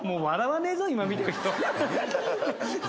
今見てる人。